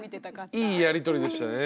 いいやりとりでしたね。